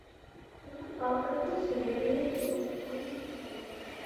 ئۇنىڭ ئاخىرقى سۆزلىرىنى تولۇق ئاڭلىماي قالدىم.